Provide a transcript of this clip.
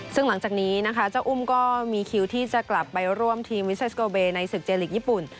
ซึ่งหลังจากนี้นะคะเจ้าอุ้มก็มีคิวที่จะกลับไปร่วมทีมวิเซสโกเบในศึกเจลิกญี่ปุ่น